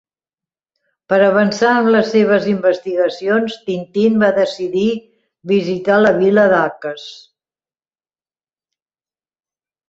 Per avançar en les seves investigacions, Tintín va decidir visitar la vila d'Akass.